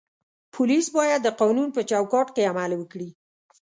پولیس باید د قانون په چوکاټ کې عمل وکړي.